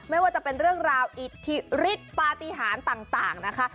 ไม่ว่าจะเป็นเรื่องราวอิทธิฤทธิ์ปฏิหารต่างนะคะ